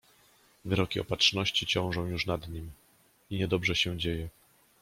Wyroki Opatrzności ciążą już nad nim… i niedobrze się dzieje.